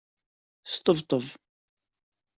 Sṭebṭeb.